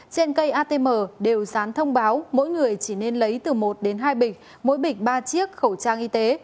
trên cây atm đều dán thông báo mỗi người chỉ nên lấy từ một đến hai bịch mỗi bịch ba chiếc khẩu trang y tế